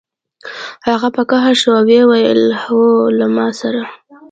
هغه په قهر شو او ویې ویل هو له ما سره